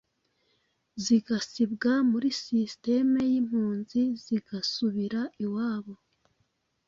zigasibwa muri system y'impunzi zigasubira iwabo".